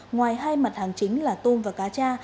ngoài hai mặt hàng chính là tôm và cá cha